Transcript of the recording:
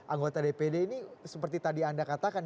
anggota dpd ini seperti tadi anda katakan